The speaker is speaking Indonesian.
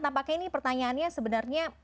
apakah ini pertanyaannya sebenarnya